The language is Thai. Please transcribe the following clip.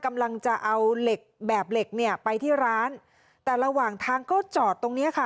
กำลังจะเอาเหล็กแบบเหล็กเนี่ยไปที่ร้านแต่ระหว่างทางก็จอดตรงเนี้ยค่ะ